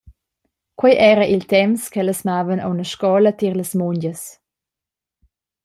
Quei era il temps ch’ellas mavan aunc a scola tier las mungias.